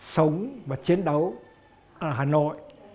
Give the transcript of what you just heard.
sống và chiến đấu hà nội